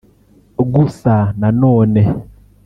gusa na none